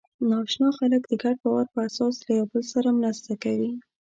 ناآشنا خلک د ګډ باور په اساس له یوه بل سره مرسته کوي.